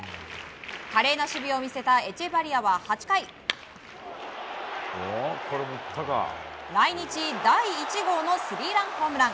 華麗な守備を見せたエチェバリアは８回来日第１号のスリーランホームラン。